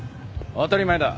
当たり前だ。